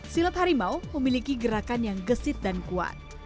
silat harimau memiliki gerakan yang gesit dan kuat